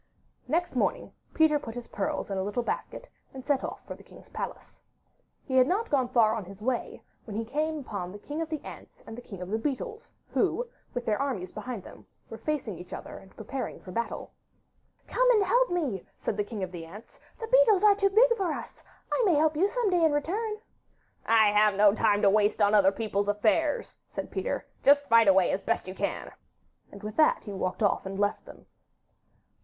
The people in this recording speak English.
Next morning Peter put his pearls in a little basket, and set off for the king's palace. He had not gone far on his way when he came upon the King of the Ants and the King of the Beetles, who, with their armies behind them, were facing each other and preparing for battle. 'Come and help me,' said the King of the Ants; 'the beetles are too big for us. I may help you some day in return.' 'I have no time to waste on other people's affairs,' said Peter; 'just fight away as best you can;' and with that he walked off and left them.